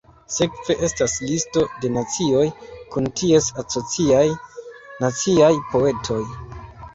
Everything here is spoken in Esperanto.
Sekve estas listo de nacioj, kun ties asociaj naciaj poetoj.